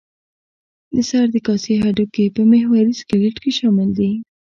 د سر د کاسې هډوکي په محوري سکلېټ کې شامل دي.